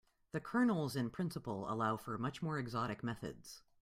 The kernels in principle allow for much more exotic methods.